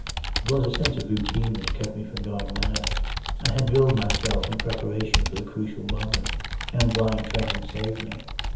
It was a sense of routine which kept me from going mad. I had drilled myself in preparation for the crucial moment, and blind training saved me.